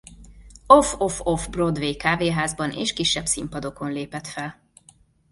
Off-off-off-Broadway kávéházban és kisebb színpadokon lépett fel.